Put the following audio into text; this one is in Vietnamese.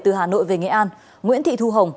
từ hà nội về nghệ an nguyễn thị thu hồng